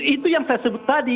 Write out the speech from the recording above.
itu yang saya sebut tadi